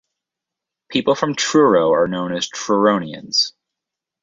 People from Truro are known as Truronians.